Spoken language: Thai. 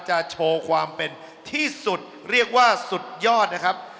โชว์ความเป็นที่สุดเรียกว่าสุดยอดนะครับ